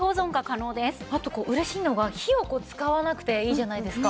あと嬉しいのが火を使わなくていいじゃないですか？